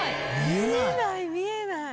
見えない見えない。